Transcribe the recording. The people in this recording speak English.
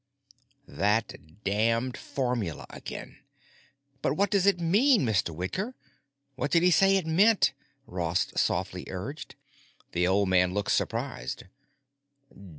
That damned formula again! "But what does it mean, Mr. Whitker? What did he say it meant?" Ross softly urged. The old man looked surprised.